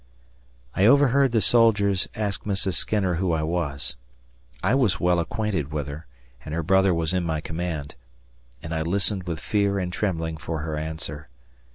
I overheard the soldiers ask Mrs. Skinner who I was I was well acquainted with her, and her brother was in my command and I listened with fear and trembling for her answer.